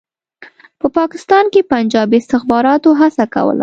په پاکستان کې پنجابي استخباراتو هڅه کوله.